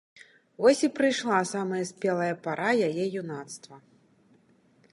Вось і прыйшла самая спелая пара яе юнацтва!